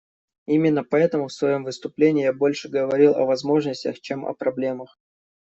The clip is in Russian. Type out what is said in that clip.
Именно поэтому в своем выступлении я больше говорил о возможностях, чем о проблемах.